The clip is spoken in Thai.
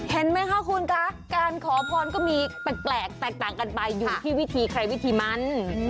เห็นไหมคะคุณคะการขอพรก็มีแปลกแตกต่างกันไปอยู่ที่วิธีใครวิธีมัน